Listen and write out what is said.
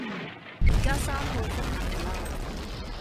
而家三號風球喇